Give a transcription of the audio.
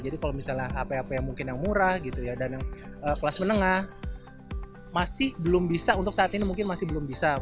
jadi kalau misalnya hape hape mungkin yang murah gitu ya dan yang kelas menengah masih belum bisa untuk saat ini mungkin masih belum bisa